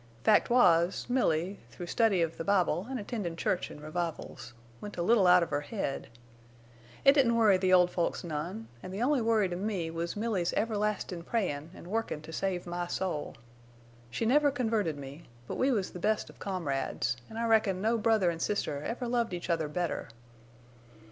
Fact was, Milly, through study of the Bible an' attendin' church an' revivals, went a little out of her head. It didn't worry the old folks none, an' the only worry to me was Milly's everlastin' prayin' an' workin' to save my soul. She never converted me, but we was the best of comrades, an' I reckon no brother an' sister ever loved each other better.